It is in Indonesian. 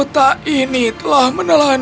kota ini telah menelan hutan